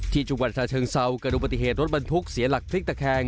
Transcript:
ที่จุบันทราชเชิงเศร้ากระดูกปฏิเหตุรถบรรทุกเสียหลักพลิกตะแคง